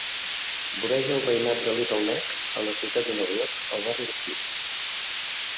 Voreja el veïnat de Little Neck a la ciutat de Nova York al barri de Queens.